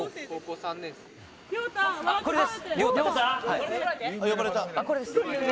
これです！